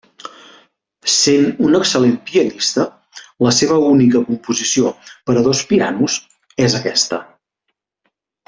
Sent un excel·lent pianista la seva única composició per a dos pianos és aquesta.